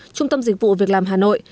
trung tâm dịch vụ việc làm hà nội